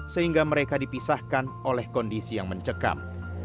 sehingga mereka dipisahkan oleh kondisi yang mencekam